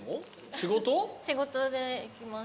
仕事で行きます。